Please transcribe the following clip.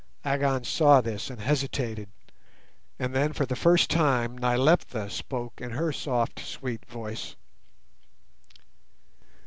Agon saw this and hesitated, and then for the first time Nyleptha spoke in her soft sweet voice.